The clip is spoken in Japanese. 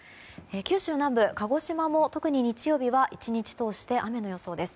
九州南部、鹿児島も特に日曜日は１日通して雨の予想です。